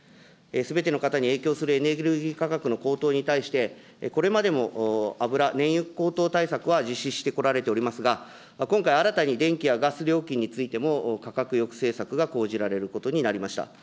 すべての方に影響するエネルギー価格の高騰に対して、これまでも油、燃油高騰対策は実施してこられておりますが、今回、新たに電気やガス料金についても価格抑制策が講じられることになりました。